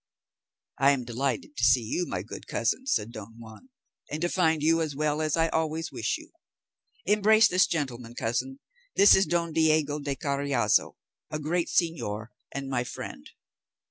"I am delighted to see you, my good cousin," said Don Juan, "and to find you as well as I always wish you. Embrace this gentleman, cousin; this is Don Diego de Carriazo, a great señor and my friend."